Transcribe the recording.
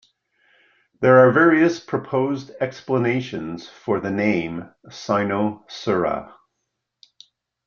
There are various proposed explanations for the name "Cynosura".